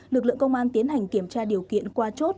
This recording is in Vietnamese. lực lượng công an tiến hành kiểm tra điều kiện qua chốt